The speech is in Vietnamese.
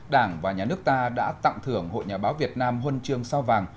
đảng và nhà nước ta đã tặng thưởng hội nhà báo việt nam huân chương sao vàng